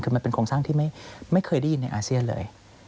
คือมันเป็นโครงสร้างที่ไม่เคยได้ยินในอาเซียนเลย